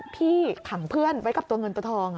พี่ขังเพื่อนไว้กับตัวเงินตัวทอง